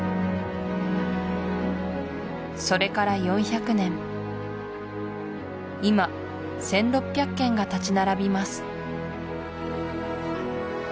それから４００年今１６００軒が立ち並びます